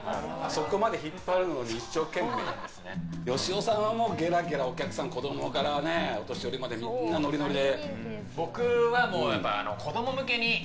よしおさんはゲラゲラ子供からお年寄りまでみんなノリノリで。